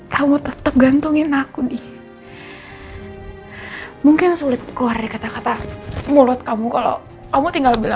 kamu harus gantungin aku dengan kata kata kamu